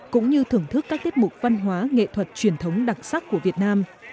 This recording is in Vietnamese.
cũng như thưởng thức các tiết mục văn hóa nghệ thuật truyền thống đặc sắc của việt nam